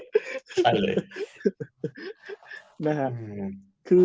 ใช่เลย